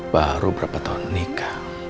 baru berapa tahun nikah